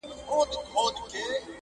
لاري د مغولو چي سپرې سوې پر کېږدیو؛